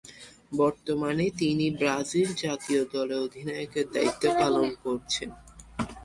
বর্তমানে তিনি ব্রাজিল জাতীয় দলের অধিনায়কের দায়িত্ব পালন করছেন।